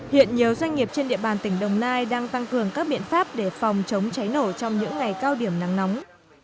hiện nhiều doanh nghiệp trên địa bàn tỉnh đồng nai đang tăng cường các biện pháp để phòng chống cháy nổ trong những ngày cao điểm nắng nóng